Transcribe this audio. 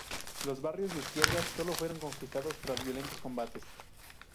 Los barrios de izquierdas solo fueron conquistados tras violentos combates.